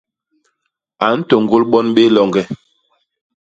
A ntôñgôl bon béé loñge.